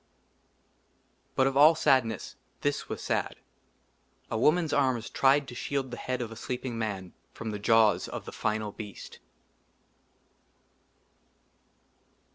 BUT OF ALL SADNESS THIS WAS SAD, A woman's arms tried TO SHIELD THE HEAD OF A SLEEPING MAN FROM THE JAWS OF THE FINAL BEAST.